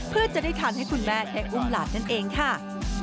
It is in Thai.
เพื่อจะได้ทานให้คุณแม่แค่อุ้มหลานนั่นเองค่ะ